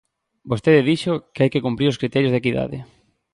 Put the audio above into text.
Vostede dixo que hai que cumprir os criterios de equidade.